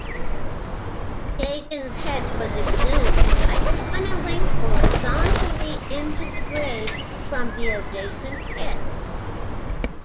Yagan's head was exhumed by tunnelling horizontally into the grave from the adjacent pit.